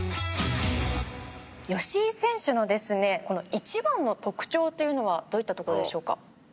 吉井選手のですね一番の特徴というのはどういったところでしょうか？